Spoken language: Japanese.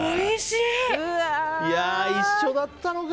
いやあ、一緒だったのか。